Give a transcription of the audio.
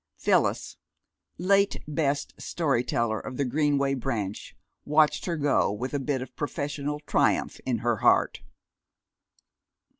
Phyllis, late best story teller of the Greenway Branch, watched her go with a bit of professional triumph in her heart.